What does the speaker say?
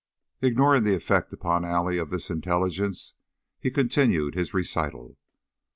Ignoring the effect upon Allie of this intelligence, he continued his recital.